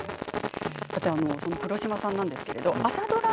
黒島さんなんですけれど朝ドラ